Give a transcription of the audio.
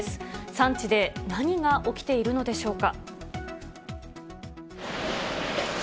産地で何が起きているのでしょうか。